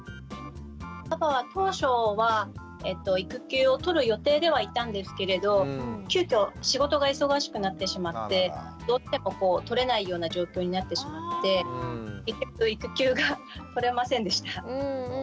パパは当初は育休を取る予定ではいたんですけれど急きょ仕事が忙しくなってしまってどうしても取れないような状況になってしまって結局育休が取れませんでした。